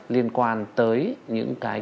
liên quan tới những cái